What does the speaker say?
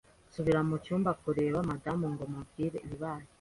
nsubira mu cyumba kureba madamu ngo mubwire ibibaye,